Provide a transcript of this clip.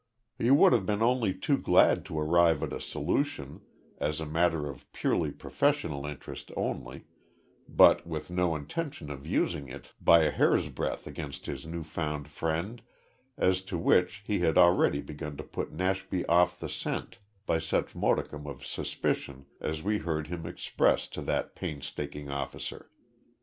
He would have been only too glad to arrive at a solution, as a matter of purely professional interest only but with no intention of using it by a hair's breadth against his new found friend, as to which he had already begun to put Nashby off the scent by such modicum of suspicion as we heard him express to that painstaking officer.